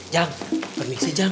jang permisi jang